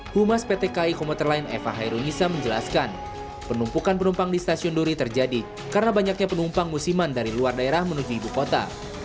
humas pt ki komuter line eva hairunisa menjelaskan penumpukan penumpang di stasiun duri terjadi karena banyaknya penumpang musiman dari luar daerah menuju ibu kota